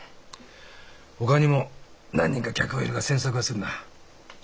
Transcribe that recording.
ほかにも何人か客がいるが詮索はするな。